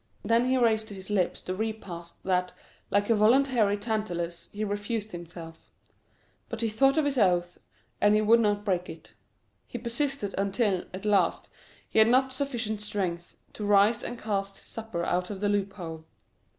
Then he raised to his lips the repast that, like a voluntary Tantalus, he refused himself; but he thought of his oath, and he would not break it. He persisted until, at last, he had not sufficient strength to rise and cast his supper out of the loophole.